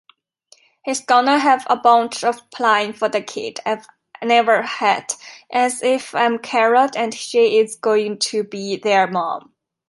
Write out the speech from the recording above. He's gonna have a bunch of plan for the kid I never had, as if I'm carrot and she's going to be their mom.